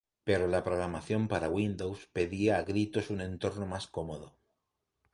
Pero la programación para Windows pedía a gritos un entorno más cómodo.